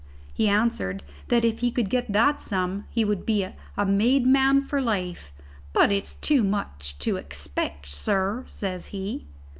He answered that if he could get that sum he would be a made man for life. "But it's too much to expect, sir," says he.